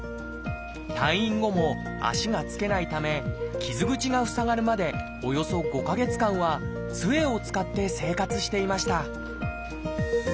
退院後も足がつけないため傷口が塞がるまでおよそ５か月間はつえを使って生活していました